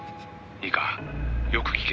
「いいかよく聞け。